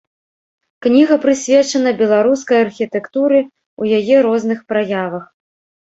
Кніга прысвечана беларускай архітэктуры ў яе розных праявах.